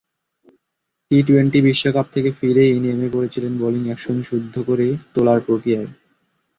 T twenty বিশ্বকাপ থেকে ফিরেই নেমে পড়েছিলেন বোলিং অ্যাকশন শুদ্ধ করে তোলার প্রক্রিয়ায়।